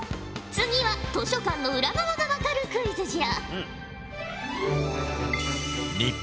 次は図書館の裏側が分かるクイズじゃ。